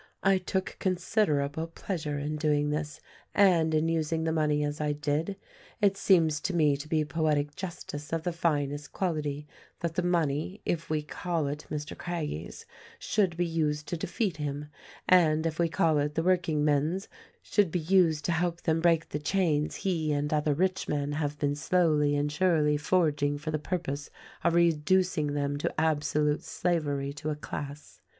I took consider able pleasure in doing this and in using the money as I did. It seems to me to be poetic justice of the finest quality that the money, — if we call it Mr. Craggie's, — should be used to defeat him ; and if we call it the workingmen's, should be used to help them break the chains he and other rich men have been slowly and surely forging for the pur pose of reducing them to absolute slavery to a class.